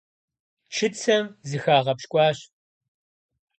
Чыцэм зыхагъэпщкӀуащ.